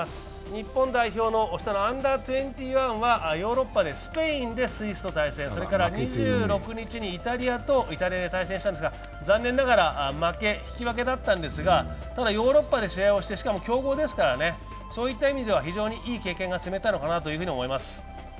日本代表の下のアンダー２１はヨーロッパで、スペインでスイスと対戦、それから２６日にイタリアとイタリアで対戦したんですが、残念ながら負け、引き分けだったんですが、ただ、ヨーロッパで試合をして、しかも強豪でしたからね、そういった意味では非常にいい経験が積めたのかなと思います。